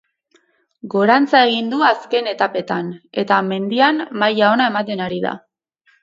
Gorantza egin du azken etapetan eta mendian maila ona ematen ari da.